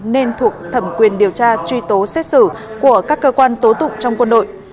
nên thuộc thẩm quyền điều tra truy tố xét xử của các cơ quan tố tụng trong quân đội